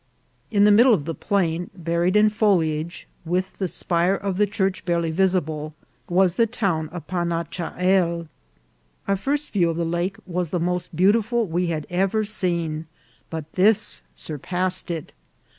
In the middle of the plane, buried in foliage, with the spire of the church barely visible, was the town of Panachahel. Our first view of the lake was the most beautiful we had ever seen, but this surpassed it.